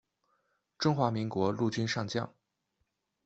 中华民国陆军上将。